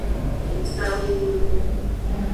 Eta lulun.